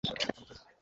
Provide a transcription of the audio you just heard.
এক কামড় খেয়ে দেখি।